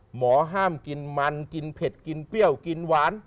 หมอห้ามกินมันกินเผ็ดกินเปรี้ยวกินหวาน